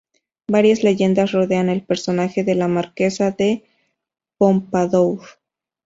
Varias leyendas rodean el personaje de la marquesa de Pompadour.